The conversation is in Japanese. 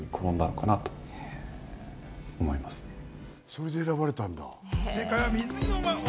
それで選ばれたんだ。